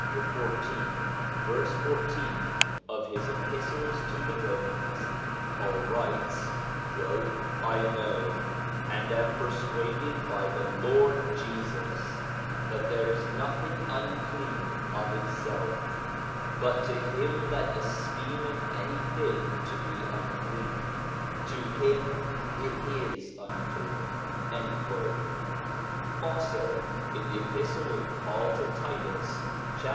14 verse 14 of his Epistle to the Romans, Paul writes :' I know, and am persuaded by the Lord Jesus, that there is nothing unclean of itself: but to him that esteemeth any thing to be unclean, to him it is unclean.' Also in the Epistle of Paul to Titus, chap.